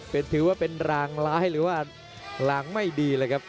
เป็นถือว่าเป็นรางร้ายหรือว่ารางไม่ดีเลยครับ